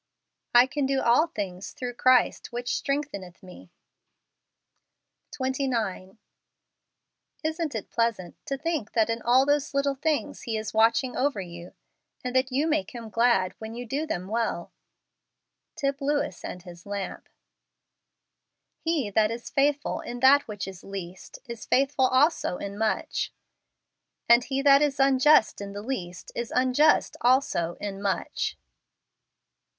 " I can do all things through Christ which strengtheneth me." JANUARY. 15 29. Isn't it pleasant to think that in all those little things He is watching over you, and that you make Him glad when you do them well ? Tip Lewis and Ilis Lamp. " He that is faithful in that which is least is faithful also in much: and he that is unjust in the least is unjust also in much."